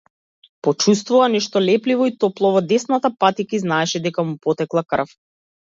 Почувствува нешто лепливо и топло во десната патика и знаеше дека му потекла крв.